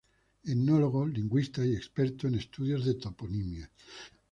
Etnólogo, lingüista y experto en estudios de toponimia.